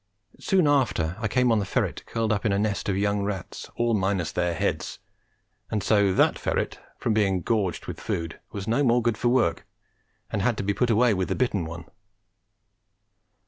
Soon after I came on the ferret curled up in a nest of young rats, all minus their heads; and so that ferret, from being gorged with food, was no more good for work, and had to be put away with the bitten one.